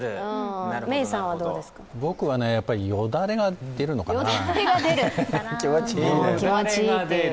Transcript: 僕は、よだれが出るのかなと。